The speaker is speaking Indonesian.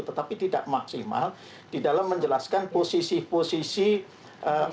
tetapi tidak maksimal di dalam menjelaskan posisi posisi